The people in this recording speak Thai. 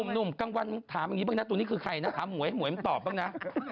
หนุ่มกลางวันถามอะไรตรงนี้เป็นใครนะตามห้วยต่อบังนะ